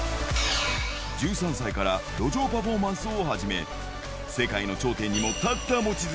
１３歳から路上パフォーマンスを始め、世界の頂点にも立った望月。